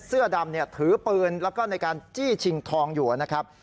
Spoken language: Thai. เสื้อดำถือปืนแล้วก็ในการจี้ชิงทองอยู่นะครับ